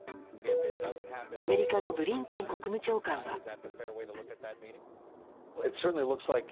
アメリカのブリンケン国務長官は。